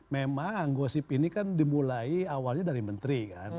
memang anggosip ini kan dimulai awalnya dari menteri kan